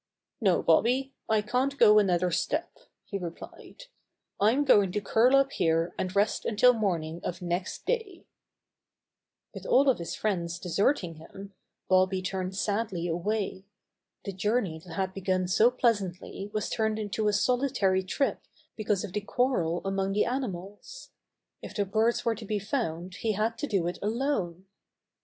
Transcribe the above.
"No, Bobby, I can't go another step," he replied. "I'm going to curl up here and rest until morning of next day," With all of his friends deserting him, Bobby turned sadly away. The journey that had begun so pleasantly was turned into a solitary trip because of the quarrel among the animals. If the birds were to be found he had to do it alone.